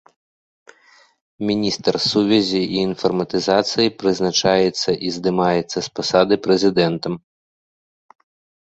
Міністр сувязі і інфарматызацыі прызначаецца і здымаецца з пасады прэзідэнтам.